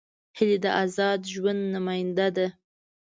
هیلۍ د آزاد ژوند نمادیه ده